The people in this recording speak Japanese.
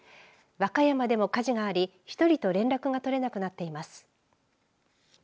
和歌山でも火事があり１人と連絡が取れなくなっています。